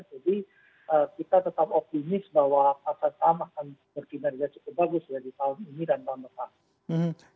jadi kita tetap optimis bahwa pasar paham akan berkinerja cukup bagus ya di tahun ini dan tahun depan